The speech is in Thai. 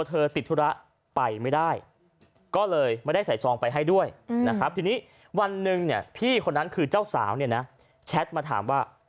เพราะฉะนั้นคือเจ้าสาวเนี่ยนะแชทมาถามว่า